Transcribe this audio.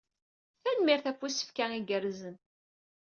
Tanemmirt ɣef usefk-a igerrzen.